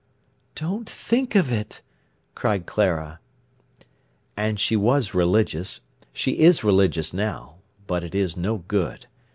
"Don't think of it!" cried Clara. "And she was religious—she is religious now—but it is no good.